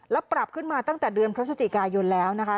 แล้วปรับขึ้นมาตั้งแต่เดือนพฤศจิกายนแล้วนะคะ